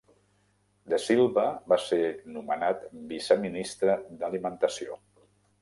De Silva va ser nomenat viceministre d'alimentació.